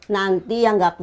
nanti yang gak masalah